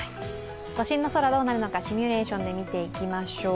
都心の空、どうなるのかシミュレーション見ていきましょう。